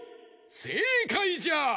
せいかいじゃ！